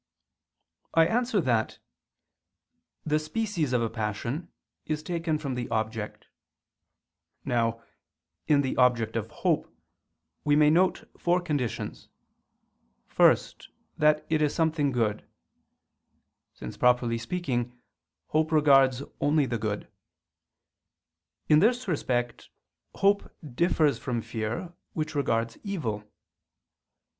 I answer that, The species of a passion is taken from the object. Now, in the object of hope, we may note four conditions. First, that it is something good; since, properly speaking, hope regards only the good; in this respect, hope differs from fear, which regards evil.